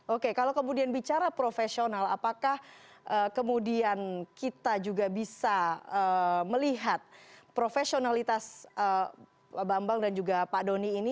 oke kalau kemudian bicara profesional apakah kemudian kita juga bisa melihat profesionalitas pak bambang dan juga pak doni ini